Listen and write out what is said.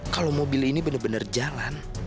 kalau mobil ini bener bener jalan